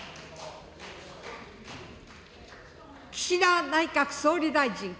岸田内閣総理大臣。